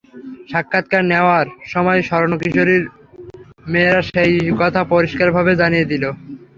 সাক্ষাৎকার নেওয়ার সময় স্বর্ণ কিশোরীর মেয়েরা সেই কথা পরিষ্কারভাবে জানিয়ে দিল।